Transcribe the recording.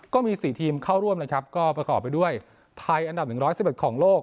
ก็มี๔ทีมเข้าร่วมนะครับก็ประกอบไปด้วยไทยอันดับ๑๑ของโลก